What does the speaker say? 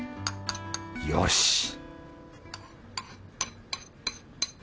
よし！